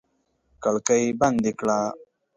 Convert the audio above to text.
کړکۍ بندې کړه!